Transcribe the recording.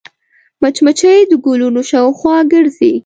مچمچۍ د ګلونو شاوخوا ګرځي